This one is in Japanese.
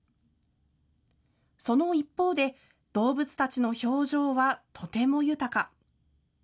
その一方で、動物たちの表情はとても豊か。